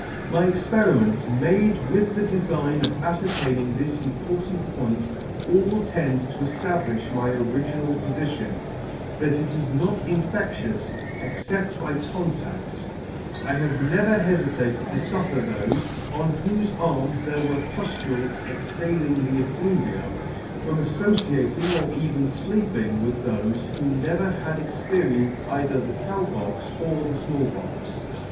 My experiments, made with the defign of afcertaining this important point, all tend to eftablifh my original pofition, that it is not infectious, except by contadt. I have never hefitated to fuffer thofe, on whofe arms there were puftules exhaling the effluvia, from affociating or even fleeping with others who never had experienced either the Cow Pox t 174 I Pox or the Small Pox.